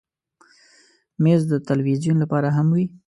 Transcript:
مېز د تلویزیون لپاره هم وي.